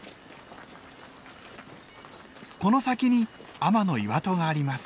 この先に天岩戸があります。